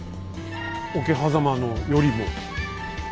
桶狭間のよりも？